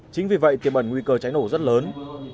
chính vì vậy tiêm ẩn nguy cơ cháy nổ rất lớn